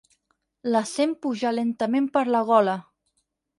La sent pujar lentament per la gola.